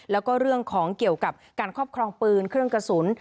แล้วก็เรื่องของเกี่ยวกับการครอบครองปืนเครื่องกระสุน